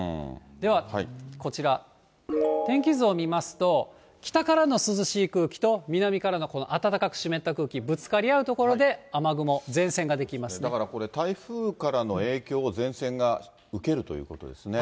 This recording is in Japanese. ではこちら、天気図を見ますと、北からの涼しい空気と、南からのこの暖かく湿った空気、ぶつかり合う所で雨雲、前線が出だからこれ、台風からの影響を、前線が受けるということですね。